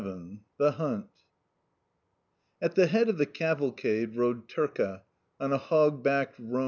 VII THE HUNT AT the head of the cavalcade rode Turka, on a hog backed roan.